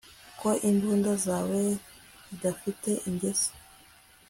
Ko imbunda zawe zidafite ingese